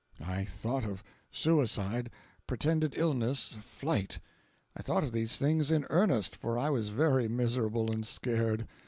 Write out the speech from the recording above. I thought of suicide, pretended illness, flight. I thought of these things in earnest, for I was very miserable and scared.